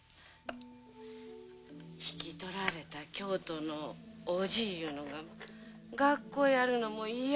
引き取られた京都のおじいうのが学校やるのも嫌！